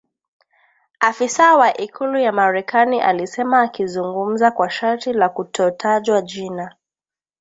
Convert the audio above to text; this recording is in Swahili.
afisa wa Ikulu ya Marekani alisema akizungumza kwa sharti la kutotajwa jina